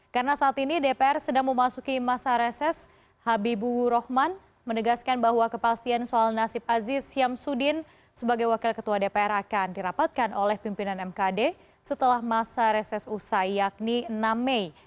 karena saat ini dpr sedang memasuki masa reses habibu rohman menegaskan bahwa kepastian soal nasib aziz syamsuddin sebagai wakil ketua dpr akan dirapatkan oleh pimpinan mkd setelah masa reses usai yakni enam mei